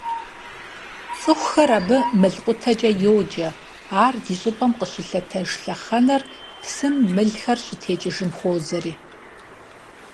ЦӀыхухэр абы «мылкъутэкӀэ» йоджэ, ар ди щӀыпӀэм къыщылъэтэж лъэхъэнэр псым мылхэр щытекӀыжым хуозэри.